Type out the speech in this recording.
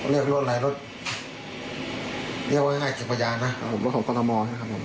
เรียกรถอะไรรถเรียกว่ังง่ายง่ายเก็บประยานฮะรถของพธมนะครับผม